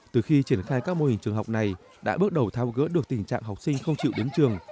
từ khi triển khai các mô hình trường học này đã bước đầu thao gỡ được tình trạng học sinh không chịu đến trường